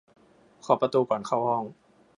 เคาะประตูก่อนเข้าห้อง